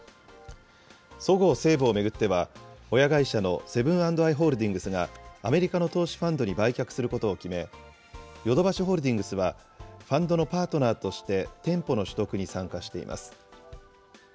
そごう・西武を巡っては、親会社のセブン＆アイ・ホールディングスが、アメリカの投資ファンドに売却することを決め、ヨドバシホールディングスはファンドのパートナーとして店舗の取得に参加しています。